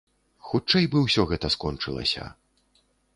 Хутчэй бы ўсё гэта скончылася.